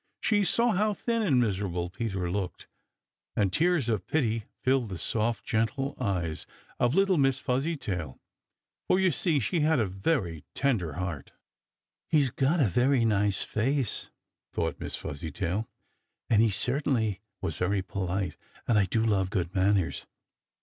She saw how thin and miserable Peter looked, and tears of pity filled the soft, gentle eyes of little Miss Fuzzytail, for, you see, she had a very tender heart. "He's got a very nice face," thought Miss Fuzzytail, "and he certainly was very polite, and I do love good manners.